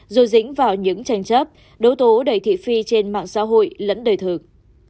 rồi dính vào những tranh chấp đấu tố đầy thị phi trên mạng xã hội lẫn đời thực